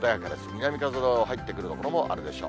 南風の入ってくる所もあるでしょう。